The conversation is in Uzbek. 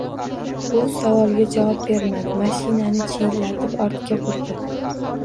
U savolga javob bermadi, mashinani chiyillatib ortga burdi